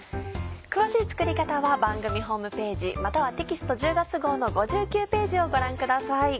詳しい作り方は番組ホームページまたはテキスト１０月号の５９ページをご覧ください。